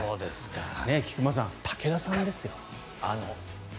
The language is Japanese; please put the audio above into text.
菊間さん、武田さんですよあの。